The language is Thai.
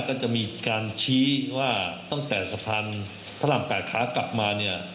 ก็จะมีการชี้ว่าตั้งแต่สะพันธ์ทะลำแปดขากกลับมา